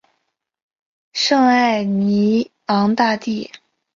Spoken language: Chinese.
圣艾尼昂大地。